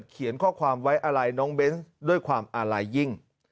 เขียนข้อความไว้อะไรน้องเบนส์ด้วยความอาลัยยิ่ง